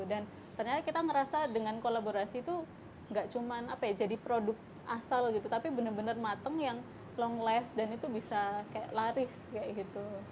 dan ternyata kita ngerasa dengan kolaborasi itu nggak cuma apa ya jadi produk asal gitu tapi bener bener mateng yang long last dan itu bisa kayak laris kayak gitu